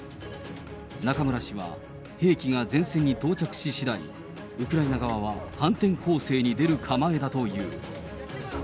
中村氏は、兵器が前線に到着ししだい、ウクライナ側は反転攻勢に出る構えだという。